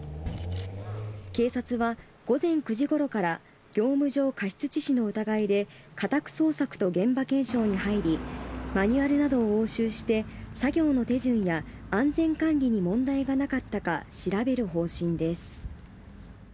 警察は午前９時ごろから業務上過失致死の疑いで家宅捜索と現場検証に入りマニュアルなどを押収して作業の手順や安全管理に問題はなかったか調べる方針です。